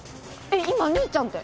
今「兄ちゃん」って。